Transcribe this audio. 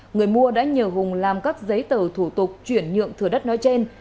người mua đã nhờ hùng làm các giấy tờ thủ tục chuyển nhượng thừa đất nói trên